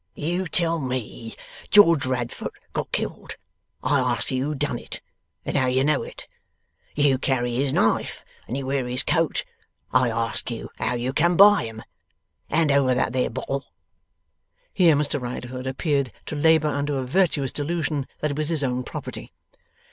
You tell me George Radfoot got killed. I ask you who done it and how you know it. You carry his knife and you wear his coat. I ask you how you come by 'em? Hand over that there bottle!' Here Mr Riderhood appeared to labour under a virtuous delusion that it was his own property.